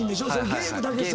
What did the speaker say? ゲームだけする。